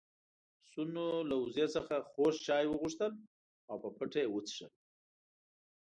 پسونو له وزې څخه خوږ چای وغوښتل او په پټه يې وڅښل.